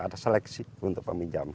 ada seleksi untuk peminjam